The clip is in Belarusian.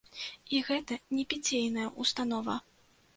І гэта не піцейная ўстанова.